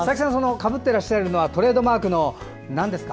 かぶっていらっしゃるのはトレードマークのなんですか？